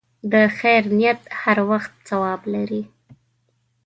د خیر نیت هر وخت ثواب لري.